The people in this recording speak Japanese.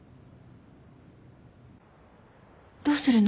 どうするの？